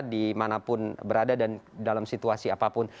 di manapun berada dan dalam situasi apapun